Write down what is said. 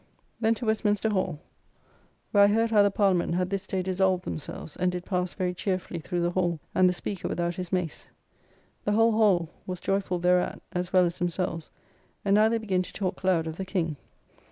Then to Westminster Hall, where I heard how the Parliament had this day dissolved themselves, and did pass very cheerfully through the Hall, and the Speaker without his mace. The whole Hall was joyful thereat, as well as themselves, and now they begin to talk loud of the King.